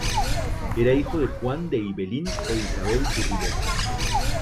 Era hijo de Juan de Ibelín e Isabel du Rivet.